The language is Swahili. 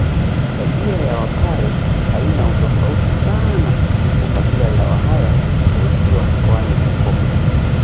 Tabia ya wapare haina utofauti sana na kabila la wahaya waishio mkoani Bukoba